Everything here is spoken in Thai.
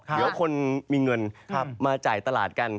เดี๋ยวคนมีเงินมาจ่ายตลาดกัน